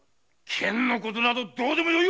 剣のことなどどうでもよいわ！